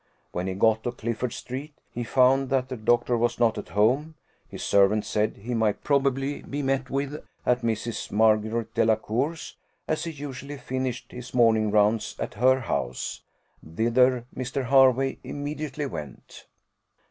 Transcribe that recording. When he got to Clifford street, he found that the doctor was not at home; his servant said, he might probably be met with at Mrs. Margaret Delacour's, as he usually finished his morning rounds at her house. Thither Mr. Hervey immediately went.